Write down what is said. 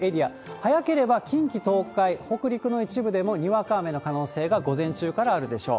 早ければ近畿、東海、北陸の一部でも、にわか雨の可能性が午前中からあるでしょう。